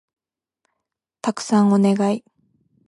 たくさんお願い